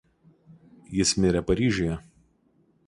Jis mirė Paryžiuje.